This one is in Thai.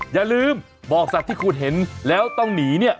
อย่าลืมบอกสัตว์ที่คุณเห็นแล้วต้องหนีเนี่ย